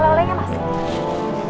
ini sajadahnya asli dari madinah